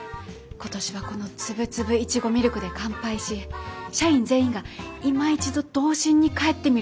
今年はこのつぶつぶいちごミルクで乾杯し社員全員がいま一度童心に返ってみるというのはいかがでしょうか。